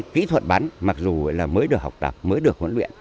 kỹ thuật bắn mặc dù là mới được học tập mới được huấn luyện